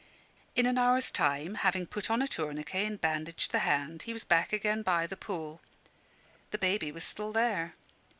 In an hour's time, having put on a tourniquet and bandaged the hand, he was back again by the pool. The baby was still there.